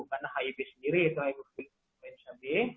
karena hib sendiri yaitu hiv b